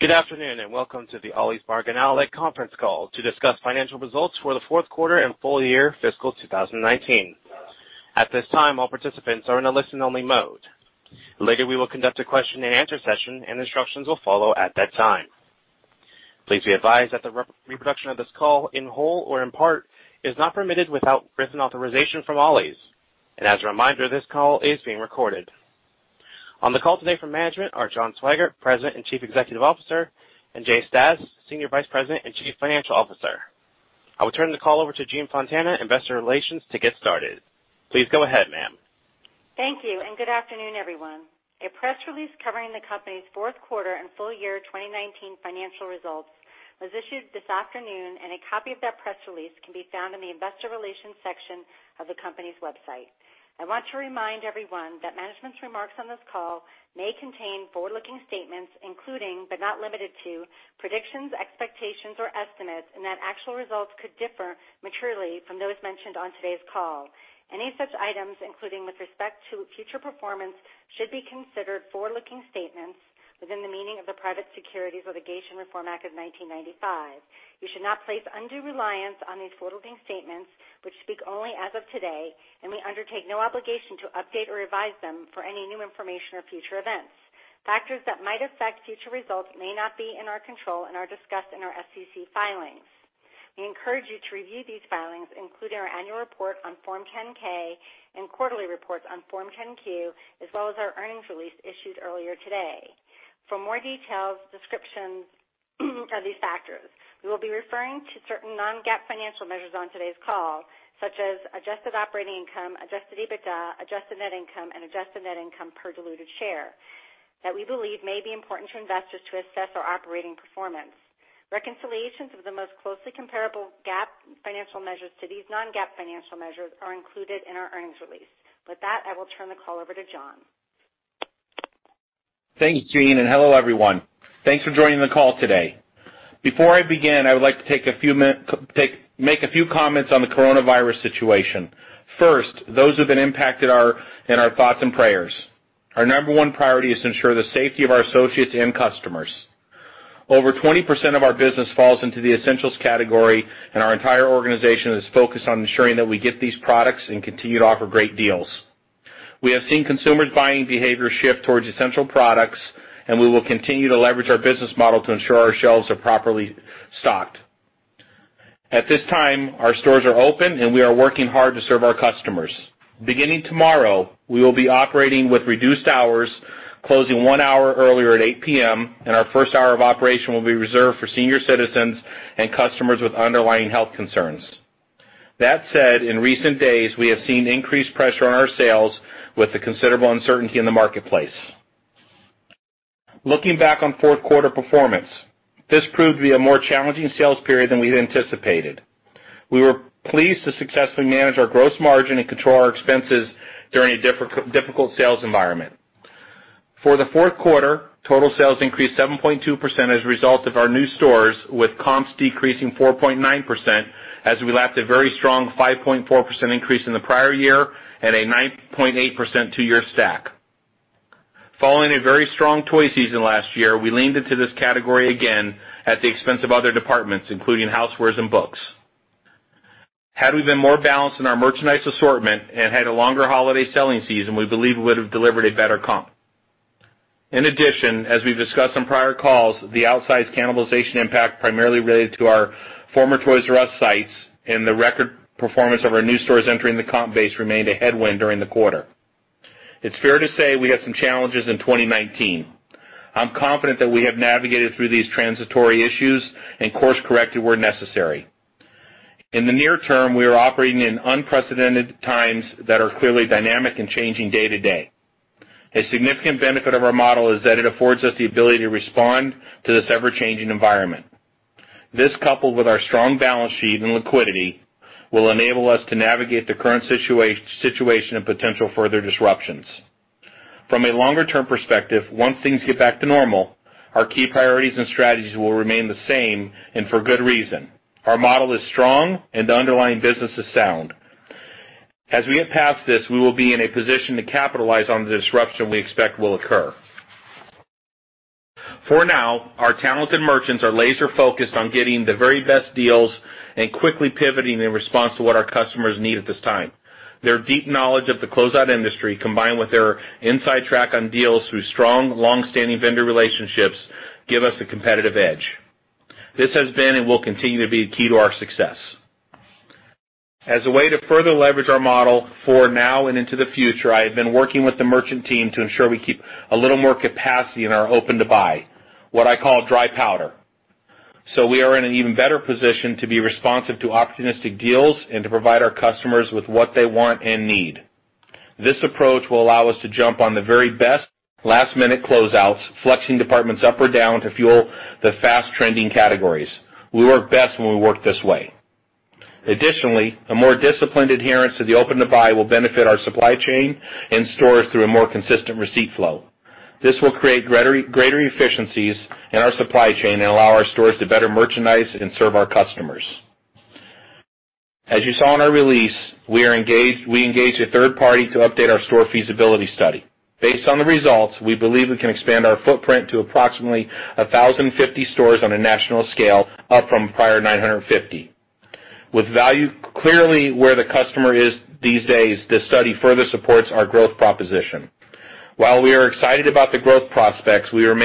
Good afternoon and welcome to the Ollie's Bargain Outlet conference call to discuss financial results for the fourth quarter and full year fiscal 2019. At this time, all participants are in a listen-only mode. Later, we will conduct a question-and-answer session and instructions will follow at that time. Please be advised that the reproduction of this call, in whole or in part, is not permitted without written authorization from Ollie's. As a reminder, this call is being recorded. On the call today from management are John Swygert, President and Chief Executive Officer, and Jay Stasz, Senior Vice President and Chief Financial Officer. I will turn the call over to Jean Fontana, Investor Relations, to get started. Please go ahead, ma'am. Thank you and good afternoon, everyone. A press release covering the company's fourth quarter and full year 2019 financial results was issued this afternoon and a copy of that press release can be found in the Investor Relations section of the company's website. I want to remind everyone that management's remarks on this call may contain forward-looking statements including, but not limited to, predictions, expectations, or estimates and that actual results could differ materially from those mentioned on today's call. Any such items, including with respect to future performance, should be considered forward-looking statements within the meaning of the Private Securities Litigation Reform Act of 1995. You should not place undue reliance on these forward-looking statements which speak only as of today and we undertake no obligation to update or revise them for any new information or future events. Factors that might affect future results may not be in our control and are discussed in our SEC filings. We encourage you to review these filings, including our annual report on Form 10-K and quarterly reports on Form 10-Q, as well as our earnings release issued earlier today. For more details, descriptions of these factors, we will be referring to certain non-GAAP financial measures on today's call such as adjusted operating income, adjusted EBITDA, adjusted net income, and adjusted net income per diluted share that we believe may be important to investors to assess our operating performance. Reconciliations of the most closely comparable GAAP financial measures to these non-GAAP financial measures are included in our earnings release. With that, I will turn the call over to John. Thank you, Jean, and hello everyone. Thanks for joining the call today. Before I begin, I would like to take a few minutes to make a few comments on the coronavirus situation. First, those who have been impacted are in our thoughts and prayers. Our number one priority is to ensure the safety of our associates and customers. Over 20% of our business falls into the essentials category and our entire organization is focused on ensuring that we get these products and continue to offer great deals. We have seen consumers' buying behavior shift towards essential products and we will continue to leverage our business model to ensure our shelves are properly stocked. At this time, our stores are open and we are working hard to serve our customers. Beginning tomorrow, we will be operating with reduced hours, closing one hour earlier at 8:00 P.M., and our first hour of operation will be reserved for senior citizens and customers with underlying health concerns. That said, in recent days, we have seen increased pressure on our sales with the considerable uncertainty in the marketplace. Looking back on fourth quarter performance, this proved to be a more challenging sales period than we had anticipated. We were pleased to successfully manage our gross margin and control our expenses during a difficult sales environment. For the fourth quarter, total sales increased 7.2% as a result of our new stores with comps decreasing 4.9% as we lacked a very strong 5.4% increase in the prior year and a 9.8% two-year stack. Following a very strong toy season last year, we leaned into this category again at the expense of other departments including housewares and books. Had we been more balanced in our merchandise assortment and had a longer holiday selling season, we believe we would have delivered a better comp. In addition, as we've discussed on prior calls, the outsized cannibalization impact primarily related to our former Toys "R" Us sites and the record performance of our new stores entering the comp base remained a headwind during the quarter. It's fair to say we had some challenges in 2019. I'm confident that we have navigated through these transitory issues and course-corrected where necessary. In the near term, we are operating in unprecedented times that are clearly dynamic and changing day to day. A significant benefit of our model is that it affords us the ability to respond to this ever-changing environment. This, coupled with our strong balance sheet and liquidity, will enable us to navigate the current situation and potential further disruptions. From a longer-term perspective, once things get back to normal, our key priorities and strategies will remain the same and for good reason. Our model is strong and the underlying business is sound. As we get past this, we will be in a position to capitalize on the disruption we expect will occur. For now, our talented merchants are laser-focused on getting the very best deals and quickly pivoting in response to what our customers need at this time. Their deep knowledge of the closeout industry, combined with their inside track on deals through strong, long-standing vendor relationships, gives us a competitive edge. This has been and will continue to be a key to our success. As a way to further leverage our model for now and into the future, I have been working with the merchant team to ensure we keep a little more capacity in our open-to-buy, what I call dry powder. So we are in an even better position to be responsive to opportunistic deals and to provide our customers with what they want and need. This approach will allow us to jump on the very best last-minute closeouts, flexing departments up or down to fuel the fast-trending categories. We work best when we work this way. Additionally, a more disciplined adherence to the open-to-buy will benefit our supply chain and stores through a more consistent receipt flow. This will create greater efficiencies in our supply chain and allow our stores to better merchandise and serve our customers. As you saw in our release, we engaged a third party to update our store feasibility study. Based on the results, we believe we can expand our footprint to approximately 1,050 stores on a national scale, up from prior 950. With value clearly where the customer is these days, this study further supports our growth proposition. While we are excited about the growth prospects, we will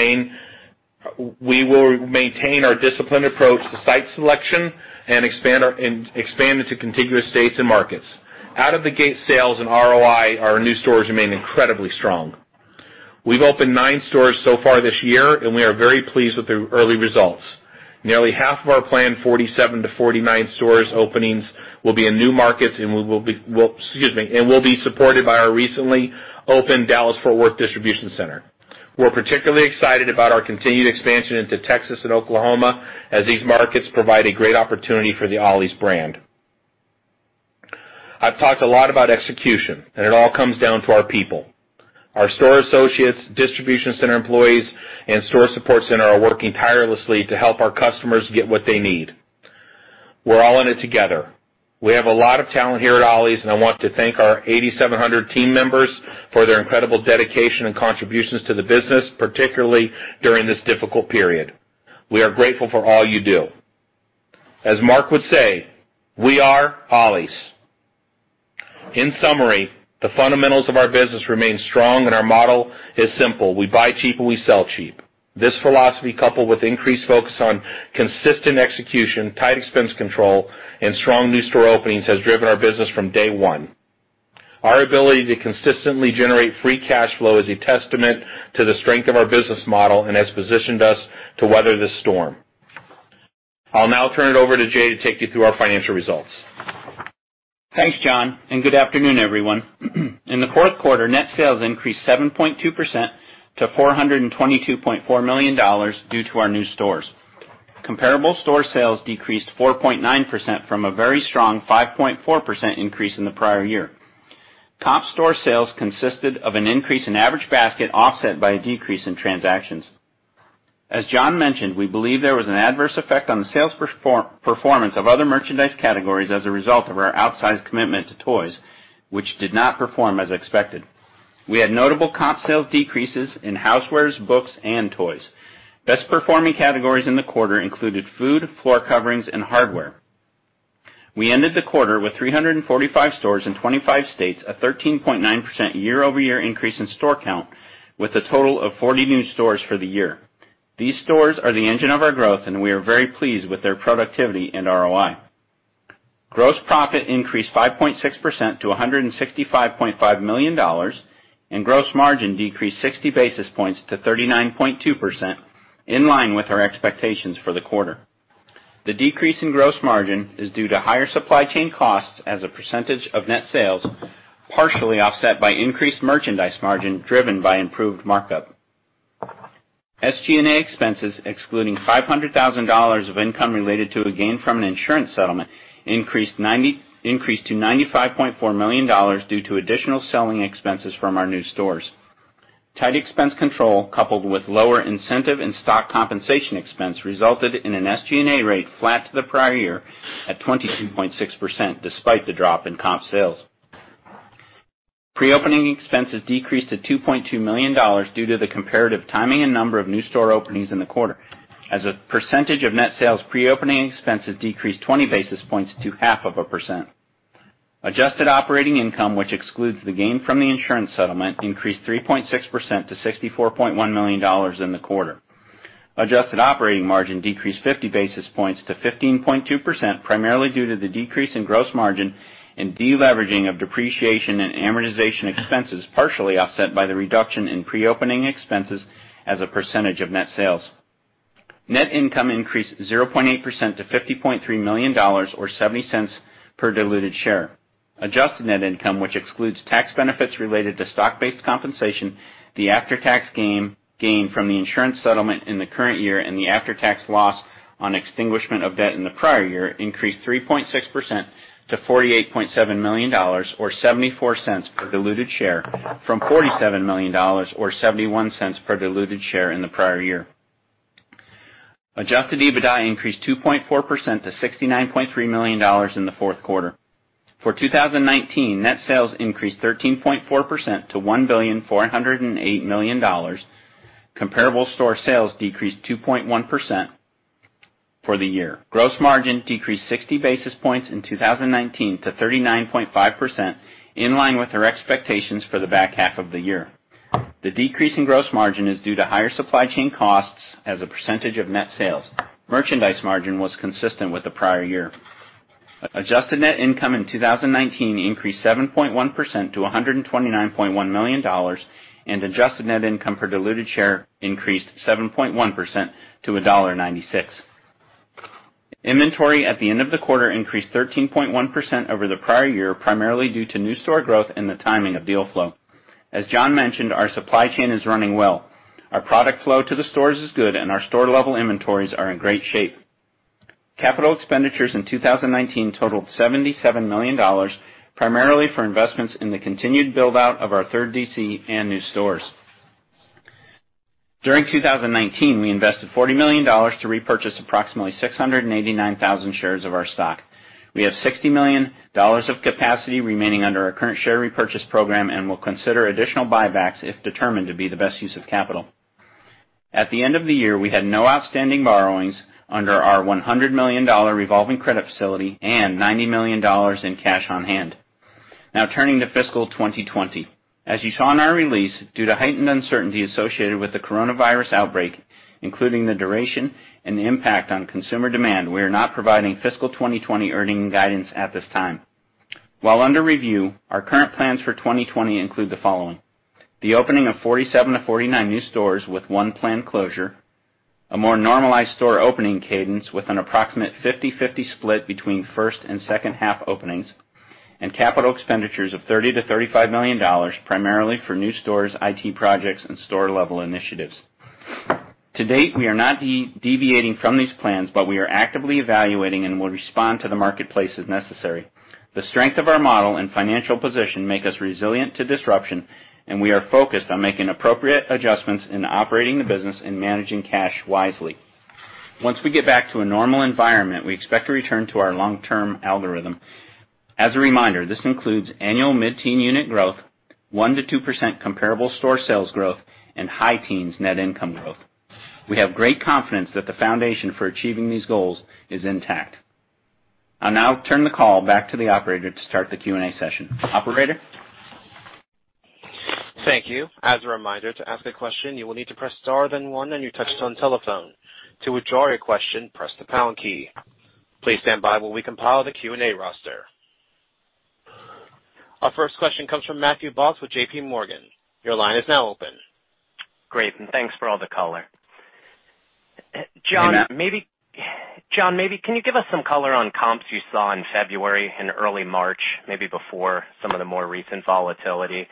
maintain our disciplined approach to site selection and expand into contiguous states and markets. Out-of-the-gate sales and ROI in new stores remain incredibly strong. We've opened nine stores so far this year and we are very pleased with the early results. Nearly half of our planned 47-49 store openings will be in new markets and will be supported by our recently opened Dallas-Fort Worth Distribution Center. We're particularly excited about our continued expansion into Texas and Oklahoma as these markets provide a great opportunity for the Ollie's brand. I've talked a lot about execution and it all comes down to our people. Our store associates, distribution center employees, and store support center are working tirelessly to help our customers get what they need. We're all in it together. We have a lot of talent here at Ollie's and I want to thank our 8,700 team members for their incredible dedication and contributions to the business, particularly during this difficult period. We are grateful for all you do. As Mark would say, "We are Ollie's." In summary, the fundamentals of our business remain strong and our model is simple. We buy cheap and we sell cheap. This philosophy, coupled with increased focus on consistent execution, tight expense control, and strong new store openings, has driven our business from day one. Our ability to consistently generate free cash flow is a testament to the strength of our business model and has positioned us to weather this storm. I'll now turn it over to Jay to take you through our financial results. Thanks, John, and good afternoon, everyone. In the fourth quarter, net sales increased 7.2% to $422.4 million due to our new stores. Comparable store sales decreased 4.9% from a very strong 5.4% increase in the prior year. Comp store sales consisted of an increase in average basket offset by a decrease in transactions. As John mentioned, we believe there was an adverse effect on the sales performance of other merchandise categories as a result of our outsized commitment to toys, which did not perform as expected. We had notable comp sales decreases in housewares, books, and toys. Best-performing categories in the quarter included food, floor coverings, and hardware. We ended the quarter with 345 stores in 25 states, a 13.9% year-over-year increase in store count, with a total of 40 new stores for the year. These stores are the engine of our growth and we are very pleased with their productivity and ROI. Gross profit increased 5.6% to $165.5 million and gross margin decreased 60 basis points to 39.2%, in line with our expectations for the quarter. The decrease in gross margin is due to higher supply chain costs as a percentage of net sales, partially offset by increased merchandise margin driven by improved markup. SG&A expenses, excluding $500,000 of income related to a gain from an insurance settlement, increased to $95.4 million due to additional selling expenses from our new stores. Tight expense control, coupled with lower incentive and stock compensation expense, resulted in an SG&A rate flat to the prior year at 22.6% despite the drop in comp sales. Pre-opening expenses decreased to $2.2 million due to the comparative timing and number of new store openings in the quarter. As a percentage of net sales, pre-opening expenses decreased 20 basis points to 0.5%. Adjusted operating income, which excludes the gain from the insurance settlement, increased 3.6% to $64.1 million in the quarter. Adjusted operating margin decreased 50 basis points to 15.2%, primarily due to the decrease in gross margin and deleveraging of depreciation and amortization expenses, partially offset by the reduction in pre-opening expenses as a percentage of net sales. Net income increased 0.8% to $50.3 million or $0.70 per diluted share. Adjusted net income, which excludes tax benefits related to stock-based compensation, the after-tax gain from the insurance settlement in the current year and the after-tax loss on extinguishment of debt in the prior year, increased 3.6% to $48.7 million or $0.74 per diluted share from $47 million or $0.71 per diluted share in the prior year. Adjusted EBITDA increased 2.4% to $69.3 million in the fourth quarter. For 2019, net sales increased 13.4% to $1.408 billion. Comparable store sales decreased 2.1% for the year. Gross margin decreased 60 basis points in 2019 to 39.5%, in line with our expectations for the back half of the year. The decrease in gross margin is due to higher supply chain costs as a percentage of net sales. Merchandise margin was consistent with the prior year. Adjusted net income in 2019 increased 7.1% to $129.1 million and adjusted net income per diluted share increased 7.1% to $1.96. Inventory at the end of the quarter increased 13.1% over the prior year, primarily due to new store growth and the timing of deal flow. As John mentioned, our supply chain is running well. Our product flow to the stores is good and our store-level inventories are in great shape. Capital expenditures in 2019 totaled $77 million, primarily for investments in the continued build-out of our third DC and new stores. During 2019, we invested $40 million to repurchase approximately 689,000 shares of our stock. We have $60 million of capacity remaining under our current share repurchase program and will consider additional buybacks if determined to be the best use of capital. At the end of the year, we had no outstanding borrowings under our $100 million revolving credit facility and $90 million in cash on hand. Now turning to fiscal 2020. As you saw in our release, due to heightened uncertainty associated with the coronavirus outbreak, including the duration and the impact on consumer demand, we are not providing fiscal 2020 earnings guidance at this time. While under review, our current plans for 2020 include the following: the opening of 47-49 new stores with one planned closure, a more normalized store opening cadence with an approximate 50/50 split between first and second half openings, and capital expenditures of $30-35 million, primarily for new stores, IT projects, and store-level initiatives. To date, we are not deviating from these plans, but we are actively evaluating and will respond to the marketplace as necessary. The strength of our model and financial position make us resilient to disruption and we are focused on making appropriate adjustments in operating the business and managing cash wisely. Once we get back to a normal environment, we expect to return to our long-term algorithm. As a reminder, this includes annual mid-teen unit growth, 1%-2% comparable store sales growth, and high teens net income growth. We have great confidence that the foundation for achieving these goals is intact. I'll now turn the call back to the operator to start the Q&A session. Operator? Thank you. As a reminder, to ask a question, you will need to press star then 1 on your telephone. To withdraw your question, press the pound key. Please stand by while we compile the Q&A roster. Our first question comes from Matthew Boss with J.P. Morgan. Your line is now open. Great, and thanks for all the color. John, maybe can you give us some color on comps you saw in February and early March, maybe before some of the more recent volatility?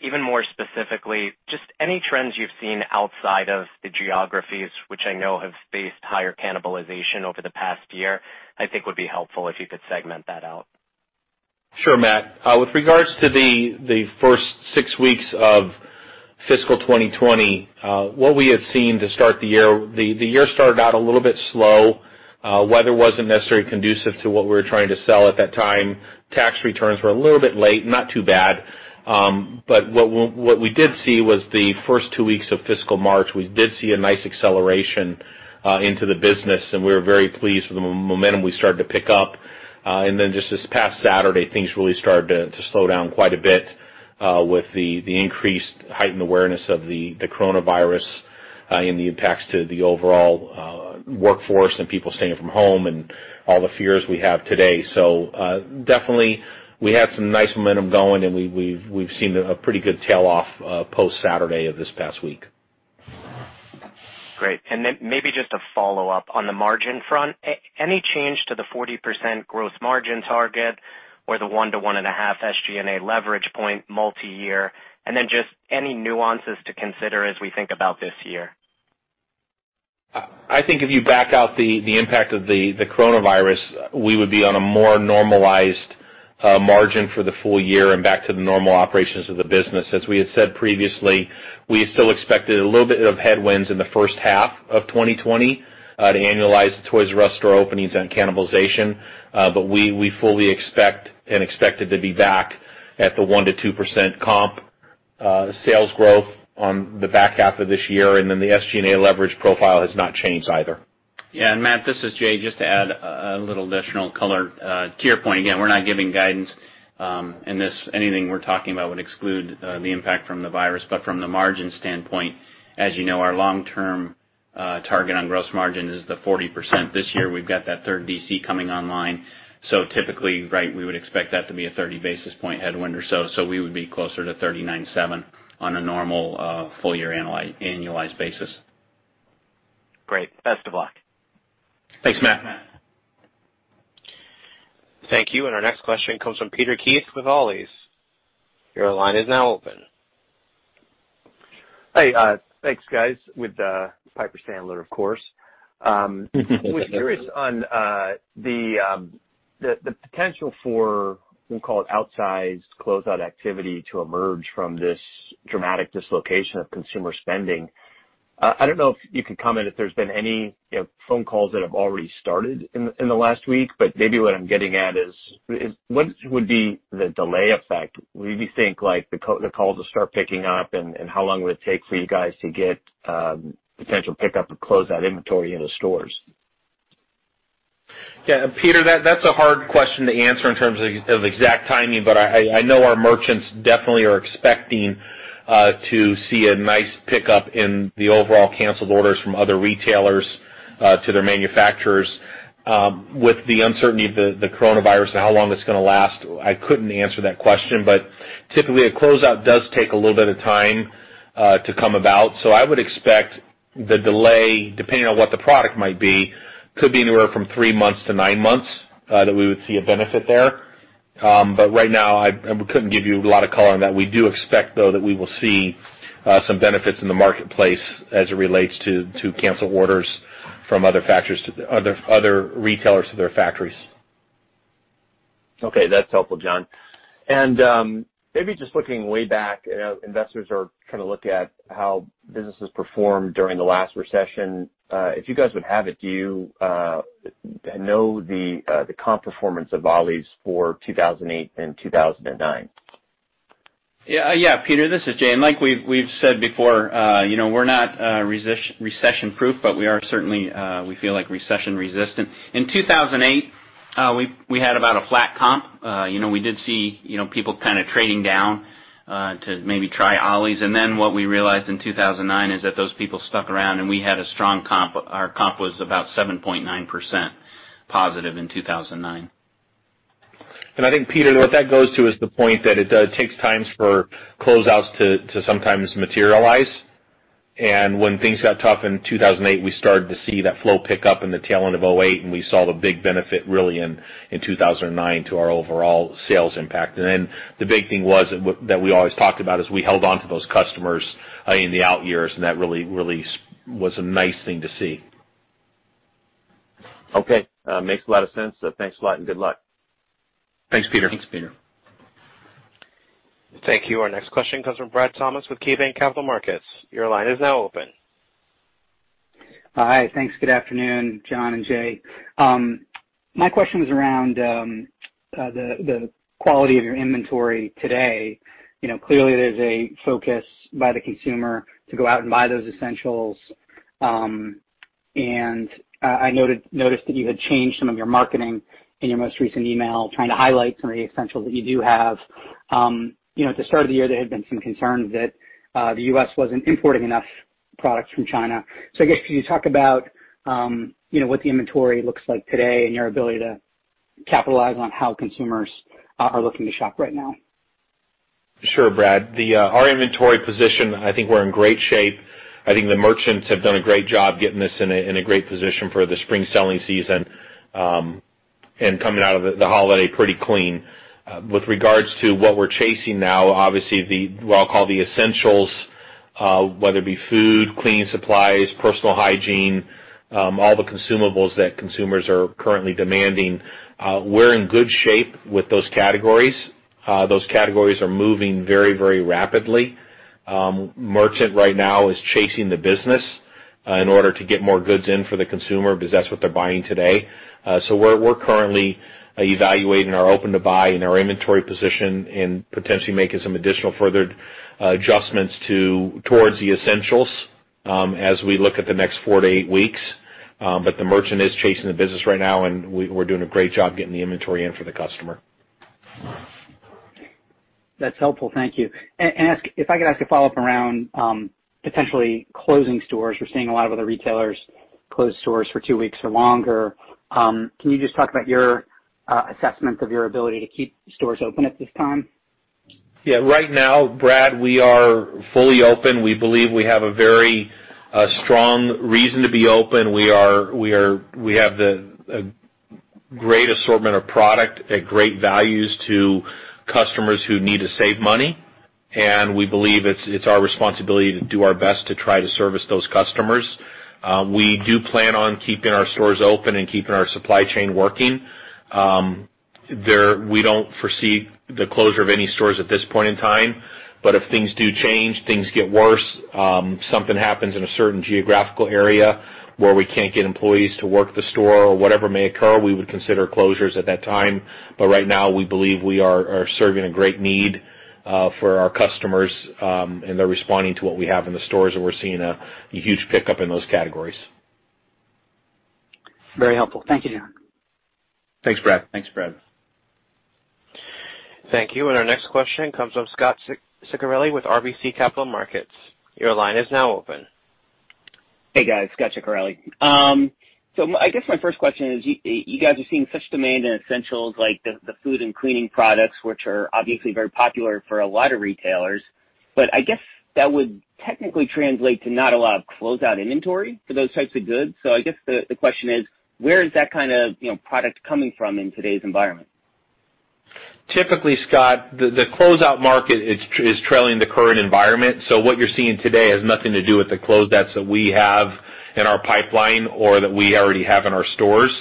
Even more specifically, just any trends you've seen outside of the geographies, which I know have faced higher cannibalization over the past year, I think would be helpful if you could segment that out. Sure, Matt. With regards to the first 6 weeks of fiscal 2020, what we had seen to start the year the year started out a little bit slow. Weather wasn't necessarily conducive to what we were trying to sell at that time. Tax returns were a little bit late, not too bad. But what we did see was the first 2 weeks of fiscal March, we did see a nice acceleration into the business and we were very pleased with the momentum we started to pick up. And then just this past Saturday, things really started to slow down quite a bit with the increased heightened awareness of the coronavirus and the impacts to the overall workforce and people staying from home and all the fears we have today. So definitely, we had some nice momentum going and we've seen a pretty good tail-off post-Saturday of this past week. Great. And then maybe just a follow-up on the margin front, any change to the 40% gross margin target or the 1-1.5 SG&A leverage point multi-year? And then just any nuances to consider as we think about this year? I think if you back out the impact of the coronavirus, we would be on a more normalized margin for the full year and back to the normal operations of the business. As we had said previously, we still expected a little bit of headwinds in the first half of 2020 to annualize the Toys "R" Us store openings and cannibalization, but we fully expect and expected to be back at the 1%-2% comp sales growth on the back half of this year and then the SG&A leverage profile has not changed either. Yeah, and Matt, this is Jay just to add a little additional color to your point. Again, we're not giving guidance and anything we're talking about would exclude the impact from the virus, but from the margin standpoint, as you know, our long-term target on gross margin is the 40%. This year, we've got that third DC coming online, so typically, right, we would expect that to be a 30 basis point headwind or so, so we would be closer to 39.7% on a normal full-year annualized basis. Great. Best of luck. Thanks, Matt. Thank you. Our next question comes from Peter Keith with Piper Sandler. Your line is now open. Hey, thanks, guys, with Piper Sandler, of course. We're curious on the potential for, we'll call it outsized closeout activity to emerge from this dramatic dislocation of consumer spending. I don't know if you could comment if there's been any phone calls that have already started in the last week, but maybe what I'm getting at is what would be the delay effect? What do you think the calls will start picking up and how long would it take for you guys to get potential pickup of closeout inventory into stores? Yeah, and Peter, that's a hard question to answer in terms of exact timing, but I know our merchants definitely are expecting to see a nice pickup in the overall canceled orders from other retailers to their manufacturers. With the uncertainty of the coronavirus and how long it's going to last, I couldn't answer that question, but typically, a closeout does take a little bit of time to come about. So I would expect the delay, depending on what the product might be, could be anywhere from three months to nine months that we would see a benefit there. But right now, we couldn't give you a lot of color on that. We do expect, though, that we will see some benefits in the marketplace as it relates to canceled orders from other retailers to their factories. Okay, that's helpful, John. Maybe just looking way back, investors are kind of looking at how businesses performed during the last recession. If you guys would have it, do you know the comp performance of Ollie's for 2008 and 2009? Yeah, yeah, Peter, this is Jay. And like we've said before, we're not recession-proof, but we are certainly we feel like recession-resistant. In 2008, we had about a flat comp. We did see people kind of trading down to maybe try Ollie's. And then what we realized in 2009 is that those people stuck around and we had a strong comp. Our comp was about 7.9% positive in 2009. And I think, Peter, what that goes to is the point that it takes time for closeouts to sometimes materialize. And when things got tough in 2008, we started to see that flow pick up in the tail end of 2008 and we saw the big benefit really in 2009 to our overall sales impact. And then the big thing was that we always talked about is we held onto those customers in the out years and that really was a nice thing to see. Okay, makes a lot of sense. Thanks a lot and good luck. Thanks, Peter. Thanks, Peter. Thank you. Our next question comes from Brad Thomas with KeyBanc Capital Markets. Your line is now open. Hi, thanks. Good afternoon, John and Jay. My question was around the quality of your inventory today. Clearly, there's a focus by the consumer to go out and buy those essentials. And I noticed that you had changed some of your marketing in your most recent email, trying to highlight some of the essentials that you do have. At the start of the year, there had been some concerns that the U.S. wasn't importing enough products from China. So I guess could you talk about what the inventory looks like today and your ability to capitalize on how consumers are looking to shop right now? Sure, Brad. Our inventory position, I think we're in great shape. I think the merchants have done a great job getting us in a great position for the spring selling season and coming out of the holiday pretty clean. With regards to what we're chasing now, obviously, what I'll call the essentials, whether it be food, cleaning supplies, personal hygiene, all the consumables that consumers are currently demanding, we're in good shape with those categories. Those categories are moving very, very rapidly. Merchant right now is chasing the business in order to get more goods in for the consumer because that's what they're buying today. So we're currently evaluating our open-to-buy and our inventory position and potentially making some additional further adjustments towards the essentials as we look at the next 4-8 weeks. But the merchant is chasing the business right now and we're doing a great job getting the inventory in for the customer. That's helpful, thank you. If I could ask a follow-up around potentially closing stores? We're seeing a lot of other retailers close stores for two weeks or longer. Can you just talk about your assessment of your ability to keep stores open at this time? Yeah, right now, Brad, we are fully open. We believe we have a very strong reason to be open. We have a great assortment of product at great values to customers who need to save money. And we believe it's our responsibility to do our best to try to service those customers. We do plan on keeping our stores open and keeping our supply chain working. We don't foresee the closure of any stores at this point in time, but if things do change, things get worse, something happens in a certain geographical area where we can't get employees to work the store or whatever may occur, we would consider closures at that time. But right now, we believe we are serving a great need for our customers and they're responding to what we have in the stores and we're seeing a huge pickup in those categories. Very helpful. Thank you, John. Thanks, Brad. Thanks, Brad. Thank you. Our next question comes from Scot Ciccarelli with RBC Capital Markets. Your line is now open. Hey, guys. Scot Ciccarelli. So I guess my first question is, you guys are seeing such demand in essentials like the food and cleaning products, which are obviously very popular for a lot of retailers, but I guess that would technically translate to not a lot of closeout inventory for those types of goods. So I guess the question is, where is that kind of product coming from in today's environment? Typically, Scot, the closeout market is trailing the current environment. So what you're seeing today has nothing to do with the closeouts that we have in our pipeline or that we already have in our stores.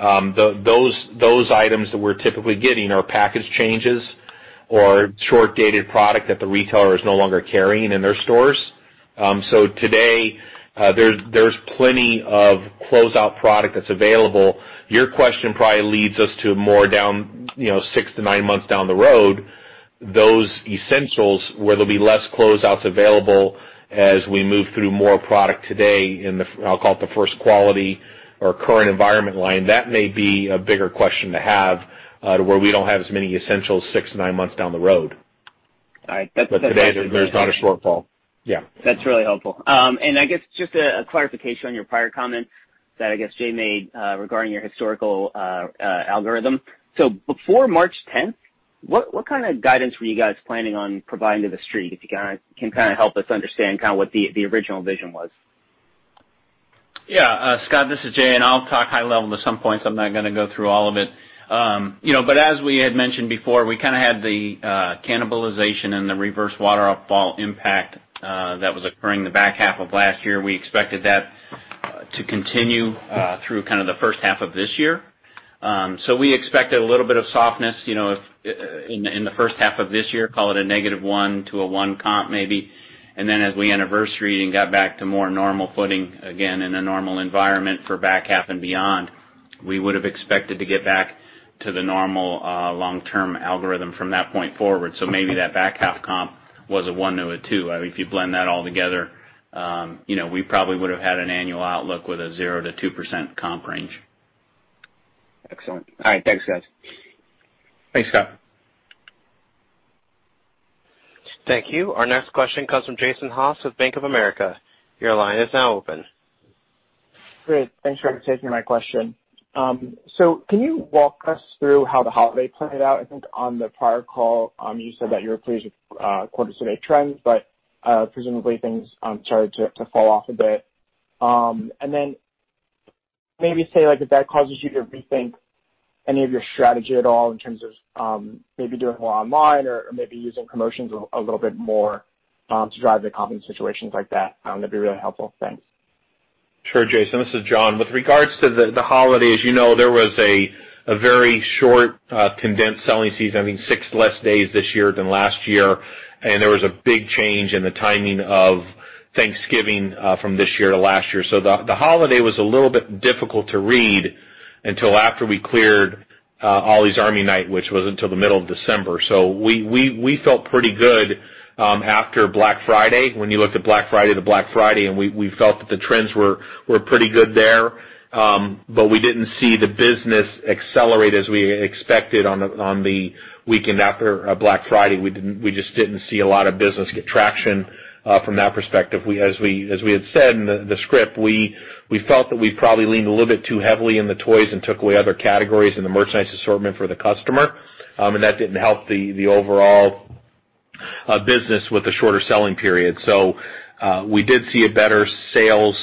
Those items that we're typically getting are package changes or short-dated product that the retailer is no longer carrying in their stores. So today, there's plenty of closeout product that's available. Your question probably leads us to more down six to nine months down the road, those essentials where there'll be less closeouts available as we move through more product today in the, I'll call it, the first quality or current environment line, that may be a bigger question to have to where we don't have as many essentials six to nine months down the road. But today, there's not a shortfall. Yeah. That's really helpful. And I guess just a clarification on your prior comments that I guess Jay made regarding your historical algorithm. So before March 10th, what kind of guidance were you guys planning on providing to the street if you can kind of help us understand kind of what the original vision was? Yeah, Scot, this is Jay. And I'll talk high level at some points. I'm not going to go through all of it. But as we had mentioned before, we kind of had the cannibalization and the reverse waterfall impact that was occurring the back half of last year. We expected that to continue through kind of the first half of this year. So we expected a little bit of softness in the first half of this year, call it -1 to 1 comp maybe. Then as we anniversary and got back to more normal footing again in a normal environment for back half and beyond, we would have expected to get back to the normal long-term algorithm from that point forward. So maybe that back half comp was a 1 to a 2. I mean, if you blend that all together, we probably would have had an annual outlook with a 0-2% comp range. Excellent. All right, thanks, guys. Thanks, Scot. Thank you. Our next question comes from Jason Haas with Bank of America. Your line is now open. Great. Thanks for taking my question. So can you walk us through how the holiday played out? I think on the prior call, you said that you were pleased with quarter to today trends, but presumably, things started to fall off a bit. And then maybe say if that causes you to rethink any of your strategy at all in terms of maybe doing more online or maybe using promotions a little bit more to drive the comping situations like that, that'd be really helpful. Thanks. Sure, Jason. This is John. With regards to the holiday, as you know, there was a very short condensed selling season, I mean, 6 less days this year than last year. And there was a big change in the timing of Thanksgiving from this year to last year. So the holiday was a little bit difficult to read until after we cleared Ollie's Army Night, which was until the middle of December. So we felt pretty good after Black Friday. When you looked at Black Friday to Black Friday, and we felt that the trends were pretty good there. But we didn't see the business accelerate as we expected on the weekend after Black Friday. We just didn't see a lot of business get traction from that perspective. As we had said in the script, we felt that we probably leaned a little bit too heavily in the toys and took away other categories in the merchandise assortment for the customer. That didn't help the overall business with the shorter selling period. We did see a better sales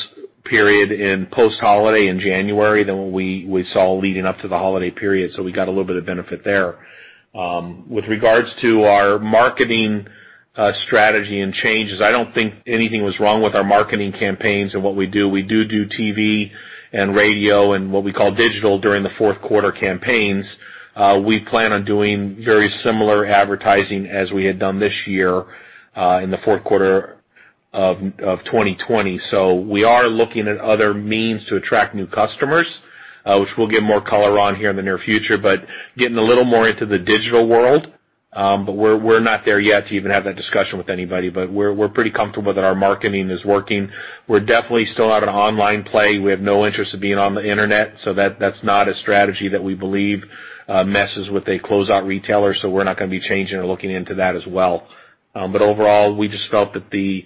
period in post-holiday in January than what we saw leading up to the holiday period. We got a little bit of benefit there. With regards to our marketing strategy and changes, I don't think anything was wrong with our marketing campaigns and what we do. We do do TV and radio and what we call digital during the fourth quarter campaigns. We plan on doing very similar advertising as we had done this year in the fourth quarter of 2020. So we are looking at other means to attract new customers, which we'll get more color on here in the near future, but getting a little more into the digital world. But we're not there yet to even have that discussion with anybody. But we're pretty comfortable that our marketing is working. We're definitely still out of online play. We have no interest in being on the internet. So that's not a strategy that we believe messes with a closeout retailer. So we're not going to be changing or looking into that as well. But overall, we just felt that the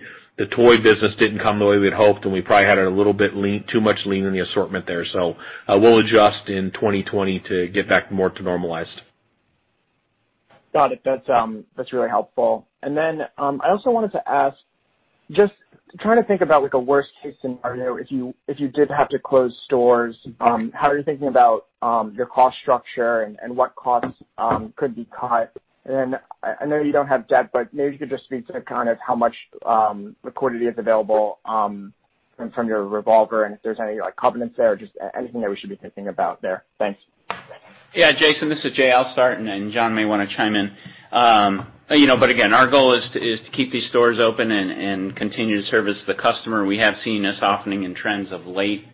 toy business didn't come the way we had hoped and we probably had it a little bit too much lean in the assortment there. So we'll adjust in 2020 to get back more to normalized. Got it. That's really helpful. And then I also wanted to ask, just trying to think about a worst-case scenario, if you did have to close stores, how are you thinking about your cost structure and what costs could be cut? And then I know you don't have debt, but maybe you could just speak to kind of how much liquidity is available from your revolver and if there's any covenants there or just anything that we should be thinking about there. Thanks. Yeah, Jason, this is Jay. I'll start and then John may want to chime in. But again, our goal is to keep these stores open and continue to service the customer. We have seen a softening in trends of late.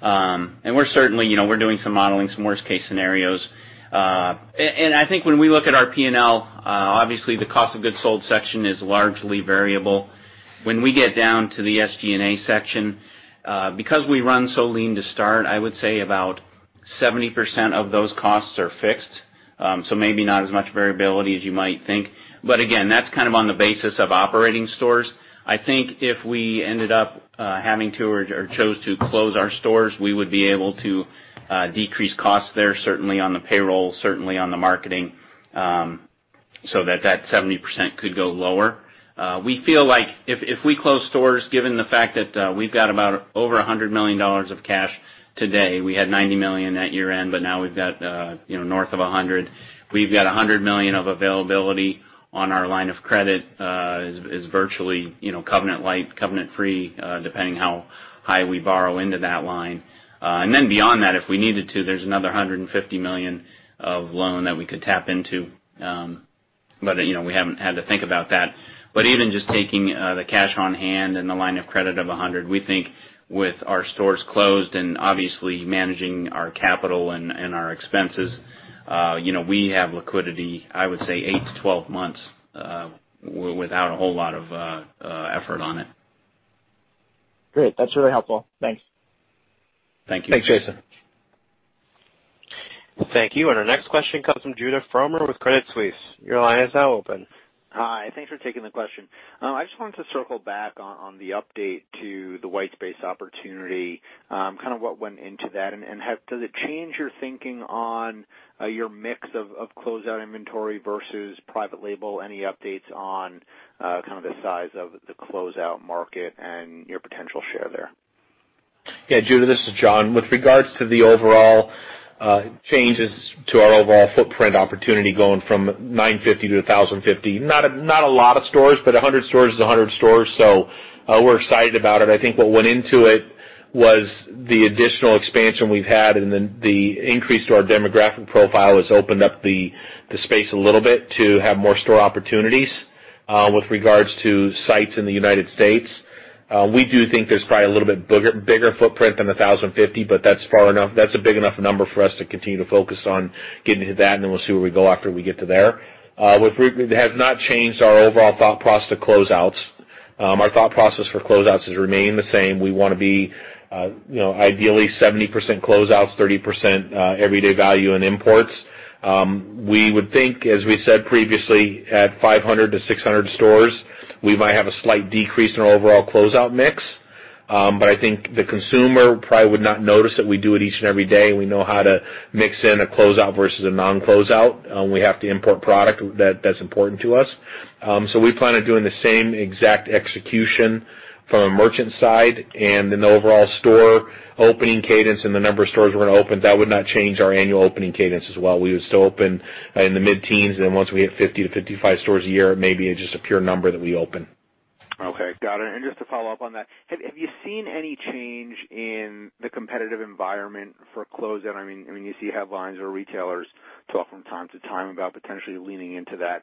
And we're certainly doing some modeling, some worst-case scenarios. And I think when we look at our P&L, obviously, the cost of goods sold section is largely variable. When we get down to the SG&A section, because we run so lean to start, I would say about 70% of those costs are fixed. So maybe not as much variability as you might think. But again, that's kind of on the basis of operating stores. I think if we ended up having to or chose to close our stores, we would be able to decrease costs there, certainly on the payroll, certainly on the marketing, so that that 70% could go lower. We feel like if we close stores, given the fact that we've got about over $100 million of cash today, we had $90 million at year-end, but now we've got north of $100 million. We've got $100 million of availability on our line of credit, which is virtually covenant-lite, covenant-free, depending how high we borrow into that line. And then beyond that, if we needed to, there's another $150 million of loan that we could tap into. But we haven't had to think about that. But even just taking the cash on hand and the line of credit of $100, we think with our stores closed and obviously managing our capital and our expenses, we have liquidity, I would say, eight to 12 months without a whole lot of effort on it. Great. That's really helpful. Thanks. Thank you. Thanks, Jason. Thank you. Our next question comes from Judah Frommer with Credit Suisse. Your line is now open. Hi. Thanks for taking the question. I just wanted to circle back on the update to the white space opportunity, kind of what went into that. Does it change your thinking on your mix of closeout inventory versus private label? Any updates on kind of the size of the closeout market and your potential share there? Yeah, Judah, this is John. With regards to the overall changes to our overall footprint opportunity going from 950 to 1,050, not a lot of stores, but 100 stores is 100 stores. So we're excited about it. I think what went into it was the additional expansion we've had and the increase to our demographic profile has opened up the space a little bit to have more store opportunities with regards to sites in the United States. We do think there's probably a little bit bigger footprint than 1,050, but that's far enough; that's a big enough number for us to continue to focus on getting to that, and then we'll see where we go after we get to there. It has not changed our overall thought process to closeouts. Our thought process for closeouts has remained the same. We want to be ideally 70% closeouts, 30% everyday value in imports. We would think, as we said previously, at 500-600 stores, we might have a slight decrease in our overall closeout mix. But I think the consumer probably would not notice that we do it each and every day. We know how to mix in a closeout versus a non-closeout. We have to import product. That's important to us. So we plan on doing the same exact execution from a merchant side. And then the overall store opening cadence and the number of stores we're going to open, that would not change our annual opening cadence as well. We would still open in the mid-teens. And then once we hit 50-55 stores a year, it may be just a pure number that we open. Okay. Got it. And just to follow up on that, have you seen any change in the competitive environment for closeout? I mean, you see headlines where retailers talk from time to time about potentially leaning into that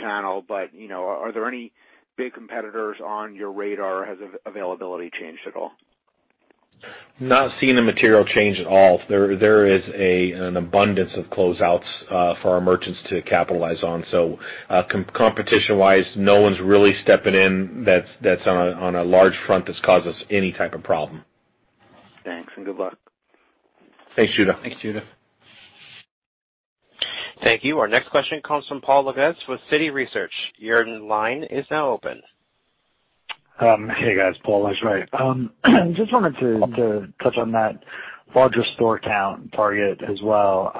channel. But are there any big competitors on your radar? Has availability changed at all? Not seeing a material change at all. There is an abundance of closeouts for our merchants to capitalize on. So competition-wise, no one's really stepping in that's on a large front that's caused us any type of problem. Thanks. Good luck. Thanks, Judah. Thanks, Judah. Thank you. Our next question comes from Paul Lejuez with Citi Research. Your line is now open. Hey, guys. Paul Lejuez. Right. I just wanted to touch on that larger store count target as well.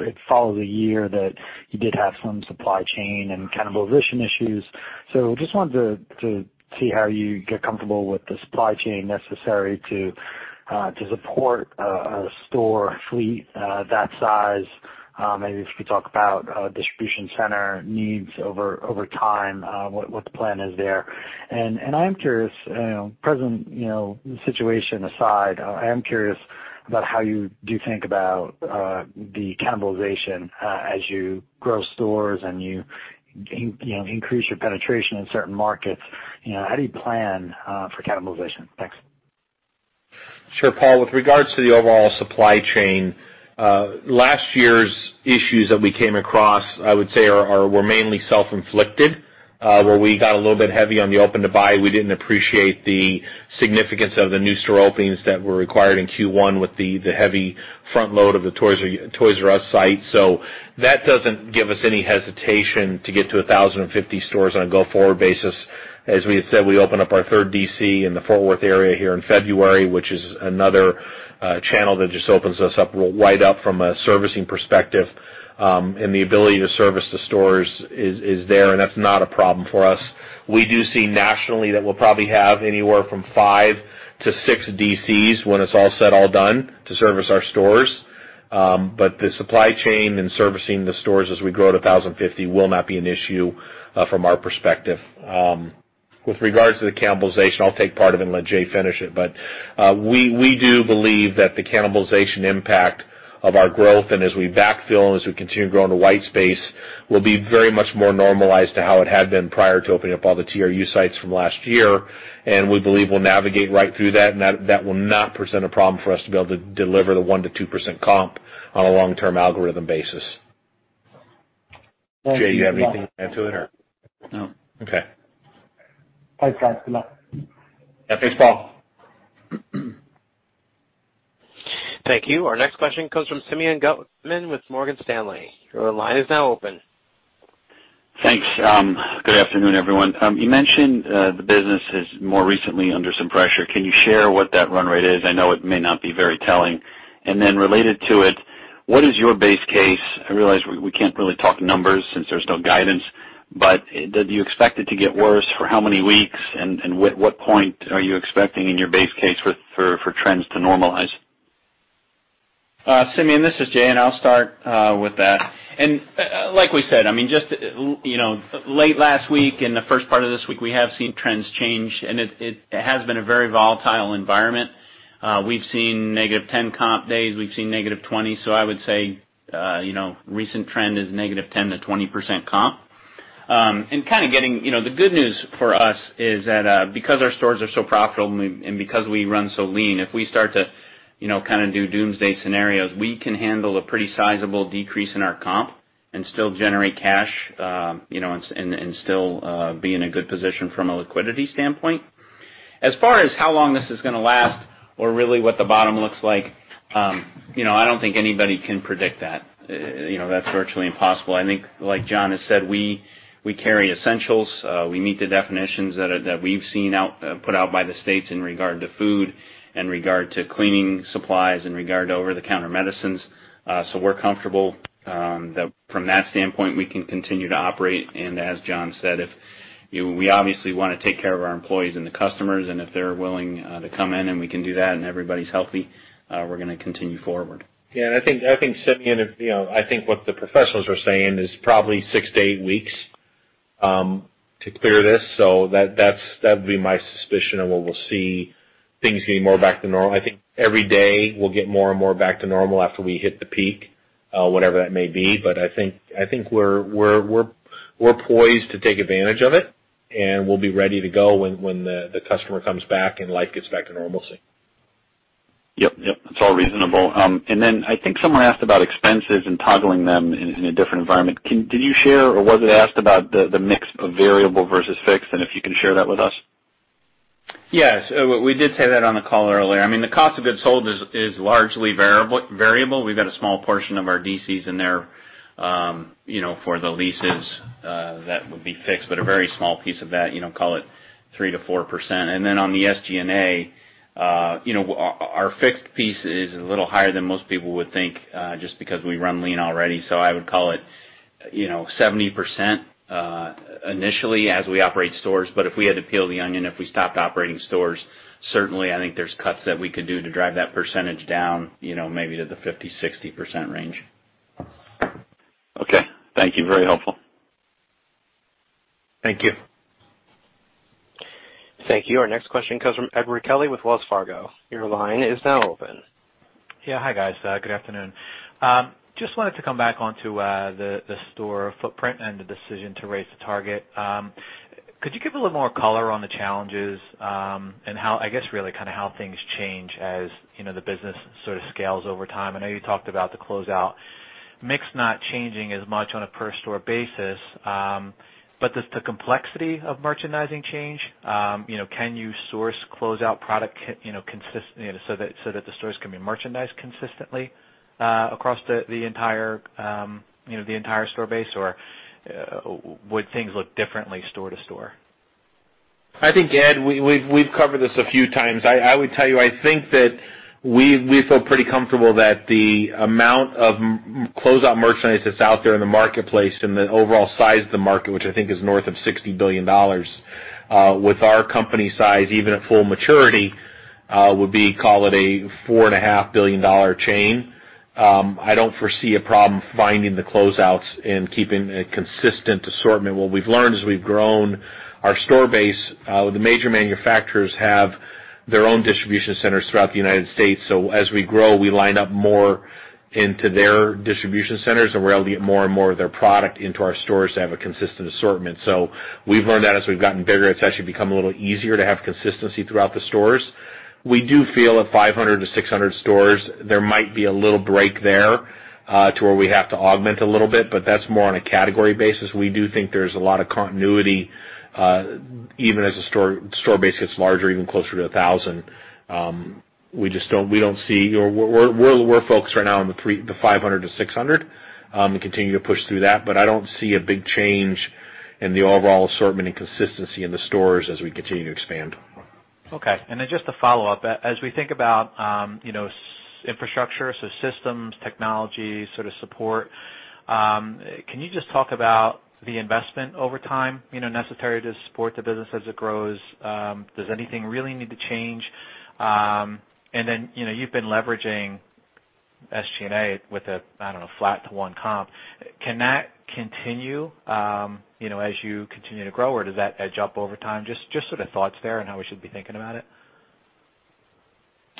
It follows a year that you did have some supply chain and kind of position issues. So just wanted to see how you get comfortable with the supply chain necessary to support a store fleet that size. Maybe if you could talk about distribution center needs over time, what the plan is there. And I am curious, present situation aside, I am curious about how you do think about the cannibalization as you grow stores and you increase your penetration in certain markets. How do you plan for cannibalization? Thanks. Sure, Paul. With regards to the overall supply chain, last year's issues that we came across, I would say, were mainly self-inflicted where we got a little bit heavy on the open-to-buy. We didn't appreciate the significance of the new store openings that were required in Q1 with the heavy front load of the Toys "R" Us site. So that doesn't give us any hesitation to get to 1,050 stores on a go-forward basis. As we had said, we open up our third DC in the Fort Worth area here in February, which is another channel that just opens us up right up from a servicing perspective. And the ability to service the stores is there, and that's not a problem for us. We do see nationally that we'll probably have anywhere from 5-6 DCs when it's all set, all done to service our stores. But the supply chain and servicing the stores as we grow to 1,050 will not be an issue from our perspective. With regards to the cannibalization, I'll take part of it and let Jay finish it. But we do believe that the cannibalization impact of our growth and as we backfill and as we continue growing to white space will be very much more normalized to how it had been prior to opening up all the TRU sites from last year. And we believe we'll navigate right through that, and that will not present a problem for us to be able to deliver the 1%-2% comp on a long-term algorithm basis. Jay, do you have anything to add to it, or? No. Okay. Thanks, guys. Good luck. Yeah. Thanks, Paul. Thank you. Our next question comes from Simeon Gutman with Morgan Stanley. Your line is now open. Thanks. Good afternoon, everyone. You mentioned the business is more recently under some pressure. Can you share what that run rate is? I know it may not be very telling. And then related to it, what is your base case? I realize we can't really talk numbers since there's no guidance. But do you expect it to get worse for how many weeks? And at what point are you expecting in your base case for trends to normalize? Simeon, this is Jay, and I'll start with that. And like we said, I mean, just late last week and the first part of this week, we have seen trends change. And it has been a very volatile environment. We've seen negative 10 comp days. We've seen negative 20. So I would say recent trend is -10%-20% comp. Kind of getting the good news for us is that because our stores are so profitable and because we run so lean, if we start to kind of do doomsday scenarios, we can handle a pretty sizable decrease in our comp and still generate cash and still be in a good position from a liquidity standpoint. As far as how long this is going to last or really what the bottom looks like, I don't think anybody can predict that. That's virtually impossible. I think, like John has said, we carry essentials. We meet the definitions that we've seen put out by the states in regard to food and regard to cleaning supplies and regard to over-the-counter medicines. So we're comfortable that from that standpoint, we can continue to operate. And as John said, we obviously want to take care of our employees and the customers. If they're willing to come in and we can do that and everybody's healthy, we're going to continue forward. Yeah. I think, Simeon, I think what the professionals are saying is probably 6-8 weeks to clear this. So that would be my suspicion of what we'll see things getting more back to normal. I think every day, we'll get more and more back to normal after we hit the peak, whatever that may be. But I think we're poised to take advantage of it, and we'll be ready to go when the customer comes back and life gets back to normalcy. Yep. Yep. That's all reasonable. And then I think someone asked about expenses and toggling them in a different environment. Did you share, or was it asked about the mix of variable versus fixed? And if you can share that with us. Yes. We did say that on the call earlier. I mean, the cost of goods sold is largely variable. We've got a small portion of our DCs in there for the leases that would be fixed, but a very small piece of that, call it 3%-4%. And then on the SG&A, our fixed piece is a little higher than most people would think just because we run lean already. So I would call it 70% initially as we operate stores. But if we had to peel the onion, if we stopped operating stores, certainly, I think there's cuts that we could do to drive that percentage down maybe to the 50%-60% range. Okay. Thank you. Very helpful. Thank you. Thank you. Our next question comes from Edward Kelly with Wells Fargo. Your line is now open. Yeah. Hi, guys. Good afternoon. Just wanted to come back onto the store footprint and the decision to raise the target. Could you give a little more color on the challenges and, I guess, really kind of how things change as the business sort of scales over time? I know you talked about the closeout mix not changing as much on a per-store basis. But does the complexity of merchandising change? Can you source closeout product so that the stores can be merchandised consistently across the entire store base? Or would things look differently store to store? I think, Ed, we've covered this a few times. I would tell you, I think that we feel pretty comfortable that the amount of closeout merchandise that's out there in the marketplace and the overall size of the market, which I think is north of $60 billion with our company size, even at full maturity, would be, call it, a $4.5 billion chain. I don't foresee a problem finding the closeouts and keeping a consistent assortment. What we've learned is we've grown our store base. The major manufacturers have their own distribution centers throughout the United States. So as we grow, we line up more into their distribution centers, and we're able to get more and more of their product into our stores to have a consistent assortment. So we've learned that as we've gotten bigger. It's actually become a little easier to have consistency throughout the stores. We do feel at 500-600 stores, there might be a little break there to where we have to augment a little bit. But that's more on a category basis. We do think there's a lot of continuity even as the store base gets larger, even closer to 1,000. We don't see we're focused right now on the 500-600 and continue to push through that. But I don't see a big change in the overall assortment and consistency in the stores as we continue to expand. Okay. And then just to follow up, as we think about infrastructure, so systems, technology, sort of support, can you just talk about the investment over time necessary to support the business as it grows? Does anything really need to change? And then you've been leveraging SG&A with a, I don't know, flat to 1 comp. Can that continue as you continue to grow, or does that edge up over time? Just sort of thoughts there and how we should be thinking about it.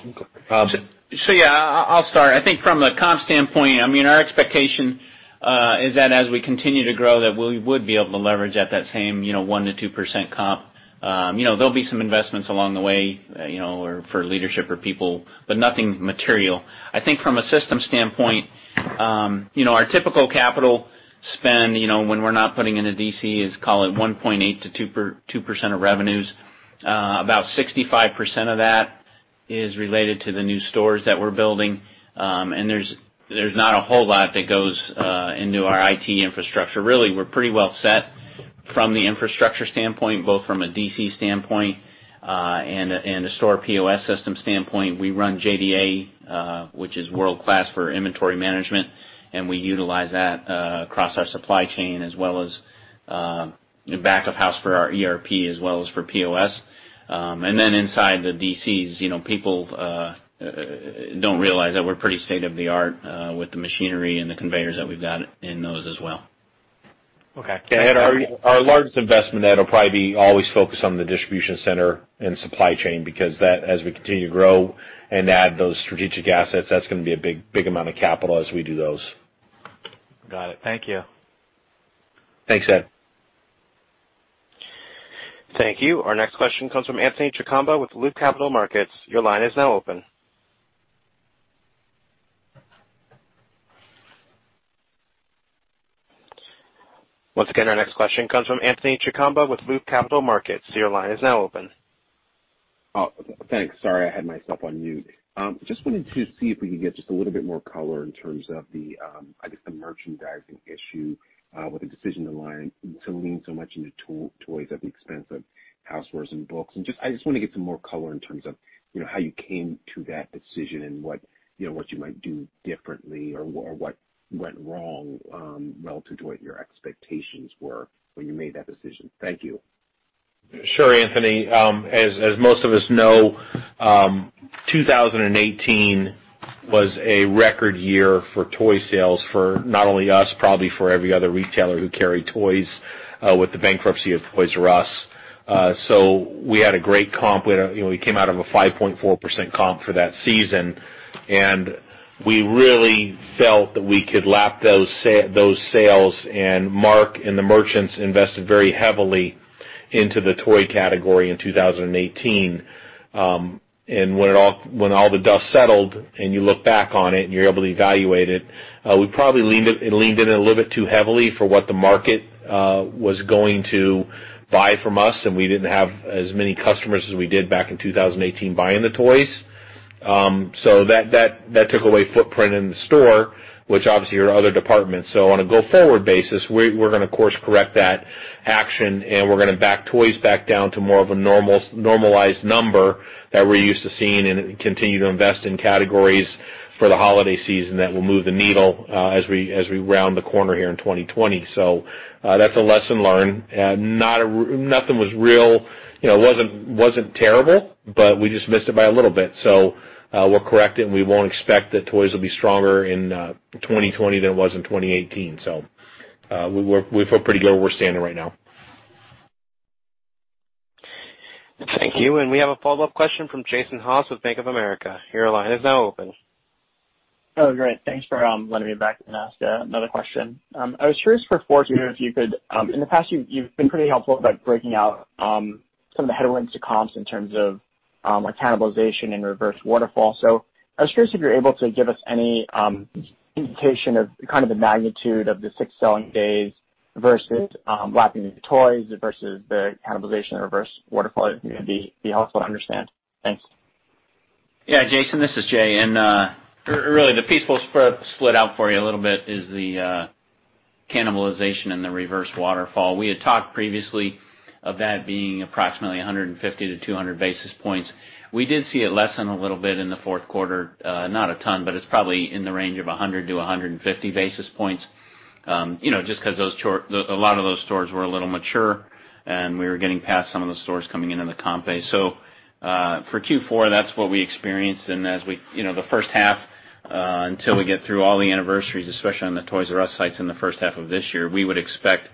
Okay. So yeah, I'll start. I think from a comp standpoint, I mean, our expectation is that as we continue to grow, that we would be able to leverage at that same 1%-2% comp. There'll be some investments along the way for leadership or people, but nothing material. I think from a system standpoint, our typical capital spend when we're not putting in a DC is, call it, 1.8%-2% of revenues. About 65% of that is related to the new stores that we're building. There's not a whole lot that goes into our IT infrastructure. Really, we're pretty well set from the infrastructure standpoint, both from a DC standpoint and a store POS system standpoint. We run JDA, which is world-class for inventory management. We utilize that across our supply chain as well as back-of-house for our ERP as well as for POS. Then inside the DCs, people don't realize that we're pretty state-of-the-art with the machinery and the conveyors that we've got in those as well. Okay. Yeah. Ed, our largest investment, that'll probably be always focused on the distribution center and supply chain because as we continue to grow and add those strategic assets, that's going to be a big amount of capital as we do those. Got it. Thank you. Thanks, Ed. Thank you. Our next question comes from Anthony Chukumba with Loop Capital Markets. Your line is now open. Once again, our next question comes from Anthony Chukumba with Loop Capital Markets. Your line is now open. Oh, thanks. Sorry, I had myself on mute. Just wanted to see if we could get just a little bit more color in terms of, I guess, the merchandising issue with the decision to lean so much into toys at the expense of housewares and books. And I just want to get some more color in terms of how you came to that decision and what you might do differently or what went wrong relative to what your expectations were when you made that decision. Thank you. Sure, Anthony. As most of us know, 2018 was a record year for toy sales for not only us, probably for every other retailer who carried toys with the bankruptcy of Toys "R" Us. So we had a great comp. We came out of a 5.4% comp for that season. And we really felt that we could lap those sales. And Mark and the merchants invested very heavily into the toy category in 2018. And when all the dust settled and you look back on it and you're able to evaluate it, we probably leaned in a little bit too heavily for what the market was going to buy from us. And we didn't have as many customers as we did back in 2018 buying the toys. So that took away footprint in the store, which obviously are other departments. So on a go-forward basis, we're going to, of course, correct that action. And we're going to back toys back down to more of a normalized number that we're used to seeing and continue to invest in categories for the holiday season that will move the needle as we round the corner here in 2020. So that's a lesson learned. Nothing was really. It wasn't terrible, but we just missed it by a little bit. So we'll correct it, and we won't expect that toys will be stronger in 2020 than it was in 2018. So we feel pretty good where we're standing right now. Thank you. And we have a follow-up question from Jason Haas with Bank of America. Your line is now open. Oh, great. Thanks for letting me back and ask another question. I was curious for the fourth if you could. In the past, you've been pretty helpful about breaking out some of the headwinds to comps in terms of cannibalization and reverse waterfall. So I was curious if you're able to give us any indication of kind of the magnitude of the 6 selling days versus lapping the Toys "R" Us versus the cannibalization and reverse waterfall that you think would be helpful to understand. Thanks. Yeah, Jason. This is Jay. And really, the piece we'll split out for you a little bit is the cannibalization and the reverse waterfall. We had talked previously of that being approximately 150-200 basis points. We did see it lessen a little bit in the fourth quarter, not a ton, but it's probably in the range of 100-150 basis points just because a lot of those stores were a little mature, and we were getting past some of the stores coming into the comp base. So for Q4, that's what we experienced. And as we the first half until we get through all the anniversaries, especially on the Toys "R" Us sites in the first half of this year, we would expect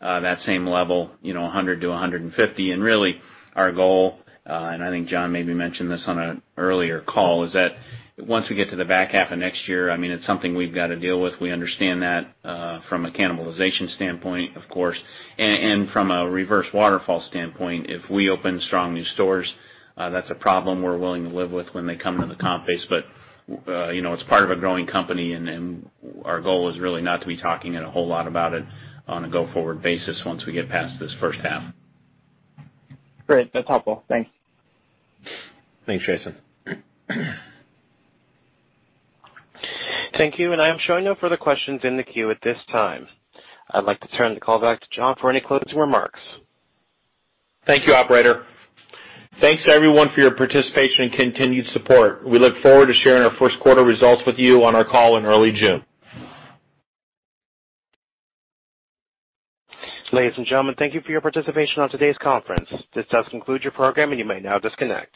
that same level, 100-150. And really, our goal, and I think John maybe mentioned this on an earlier call, is that once we get to the back half of next year, I mean, it's something we've got to deal with. We understand that from a cannibalization standpoint, of course. And from a reverse waterfall standpoint, if we open strong new stores, that's a problem we're willing to live with when they come into the comp base. But it's part of a growing company, and our goal is really not to be talking a whole lot about it on a go-forward basis once we get past this first half. Great. That's helpful. Thanks. Thanks, Jason. Thank you. I am showing no further questions in the queue at this time. I'd like to turn the call back to John for any closing remarks. Thank you, operator. Thanks, everyone, for your participation and continued support. We look forward to sharing our first quarter results with you on our call in early June. Ladies and gentlemen, thank you for your participation on today's conference. This does conclude your program, and you may now disconnect.